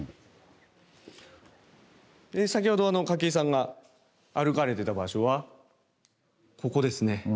先ほど筧さんが歩かれてた場所はここですね。